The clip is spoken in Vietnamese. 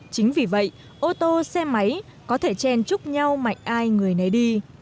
chính vì vậy ô tô xe máy có thể chen chúc nhau mạnh ai người nấy đi